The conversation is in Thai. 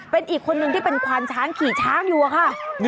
เป็นอีกคนนึงที่เป็นควานช้างขี่ช้างอยู่อะค่ะ